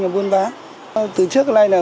và buôn bán từ trước tới nay là